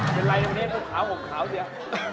เป็นไรนะวันนี้หกขาวเดี๋ยว